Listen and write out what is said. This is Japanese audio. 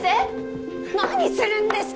何するんですか！？